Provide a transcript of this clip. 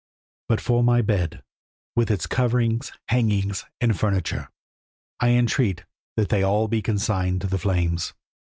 But for my bed, with its coverings, hangings, and furniture, I entreat they may be all consigned to the flames.